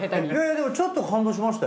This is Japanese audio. でもちょっと感動しましたよ。